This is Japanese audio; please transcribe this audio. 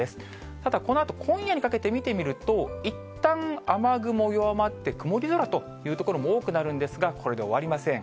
ただ、このあと、今夜にかけて見てみると、いったん雨雲弱まって、曇り空という所も多くなるんですが、これで終わりません。